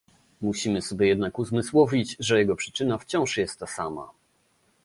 Musimy sobie jednak uzmysłowić, że jego przyczyna wciąż jest ta sama